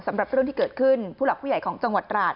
สำหรับเรื่องที่เกิดขึ้นผู้หลักผู้ใหญ่ของจังหวัดราช